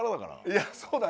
いやそうだね。